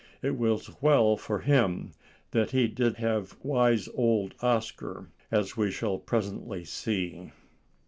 It was well for him that he did have wise old Oscar, as we shall presently see.